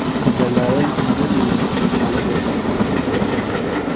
که دلایل منلي وي نو خلک یې په اسانۍ مني.